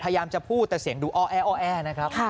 พยายามจะพูดแต่เสียงดูอ้อแอนะครับ